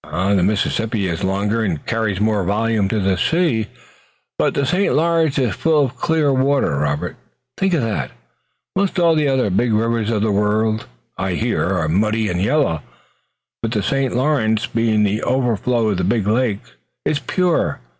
The Mississippi I suppose is longer, and carries more volume to the sea, but the St. Lawrence is full of clear water, Robert, think of that! Most all the other big rivers of the world, I hear, are muddy and yellow, but the St. Lawrence, being the overflow of the big lakes, is pure.